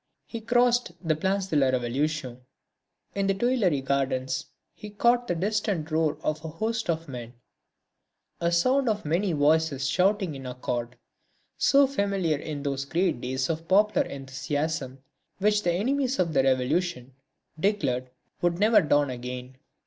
He crossed the Place de la Révolution. In the Tuileries gardens he caught the distant roar of a host of men, a sound of many voices shouting in accord, so familiar in those great days of popular enthusiasm which the enemies of the Revolution declared would never dawn again.